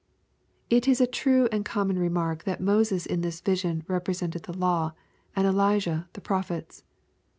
] It is a true and common remark that Moses in this vision represented the law, and Elijah the prophets.